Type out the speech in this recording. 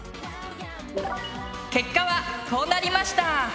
結果はこうなりました。